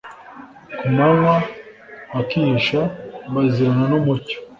ku manywa bakihisha, bazirana n'umucyo